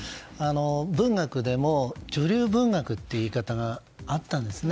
文学でも、女流文学という言い方があったんですね。